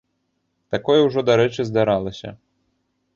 Такое ўжо, дарэчы, здаралася.